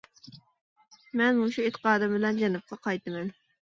مەن مۇشۇ ئېتىقادىم بىلەن جەنۇبقا قايتىمەن.